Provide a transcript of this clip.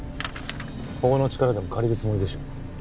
法の力でも借りるつもりでしょう